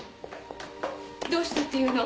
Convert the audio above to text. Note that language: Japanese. どうしたっていうの？